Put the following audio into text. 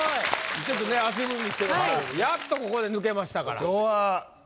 ちょっとね足踏みしてましたけどやっとここで抜けましたから。